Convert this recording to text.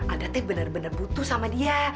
ada teh bener bener butuh sama dia